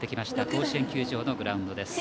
甲子園球場のグラウンドです。